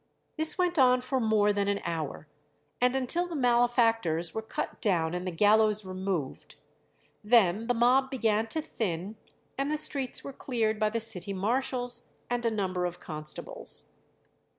This went on for more than an hour, and until the malefactors were cut down and the gallows removed; then the mob began to thin, and the streets were cleared by the city marshals and a number of constables.